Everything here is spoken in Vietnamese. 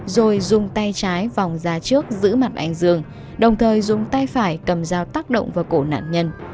rồi dùng tay trái vòng ra trước giữ mặt anh dương đồng thời dùng tay phải cầm dao tác động vào cổ nạn nhân